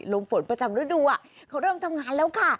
ลมฝนประจำฤดูเขาเริ่มทำงานแล้วค่ะ